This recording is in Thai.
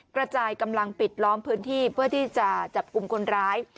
กระจายกำลังปิดล้อมพื้นที่เพื่อที่จะจับกลุ่มคนร้าย